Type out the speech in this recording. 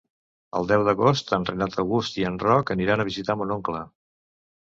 El deu d'agost en Renat August i en Roc aniran a visitar mon oncle.